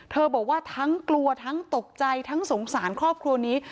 บอกว่าทั้งกลัวทั้งตกใจทั้งสงสารครอบครัวนี้